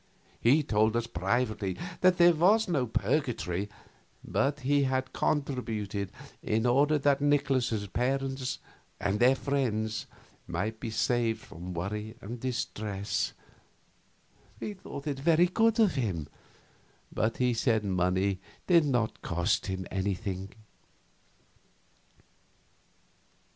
He told us privately that there was no purgatory, but he had contributed in order that Nikolaus's parents and their friends might be saved from worry and distress. We thought it very good of him, but he said money did not cost him anything.